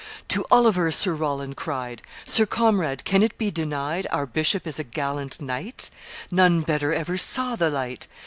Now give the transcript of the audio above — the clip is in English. "To Oliver Sir Roland cried, 'Sir comrade, can it be denied Our bishop is a gallant knight? None better ever saw the light!